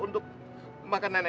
untuk makan nenek